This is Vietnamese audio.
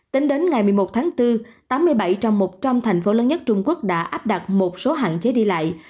tính đến ngày một mươi một tháng bốn tám mươi bảy trong một trăm linh thành phố lớn nhất trung quốc đã áp đặt một số hạn chế đi lại